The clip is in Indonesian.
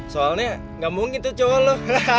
soalnya gak mungkin tuh cowok lo